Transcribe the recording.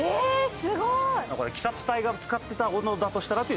すごい。